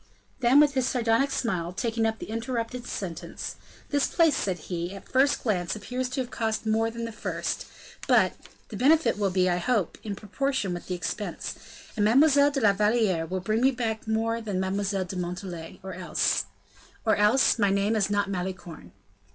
Then with his sardonic smile, taking up the interrupted sentence: "This place," said he, "at first glance, appears to have cost more than the first; but the benefit will be, I hope, in proportion with the expense, and Mademoiselle de la Valliere will bring me back more than Mademoiselle de Montalais, or else, or else my name is not Malicorne.